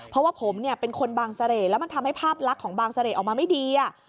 เพราะว่าผมเนี่ยเป็นคนบางเสร่แล้วมันทำให้ภาพลักษณ์ของบางเสร่ออกมาไม่ดี